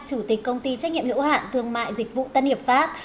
chủ tịch công ty trách nhiệm hiệu hạn thương mại dịch vụ tân hiệp pháp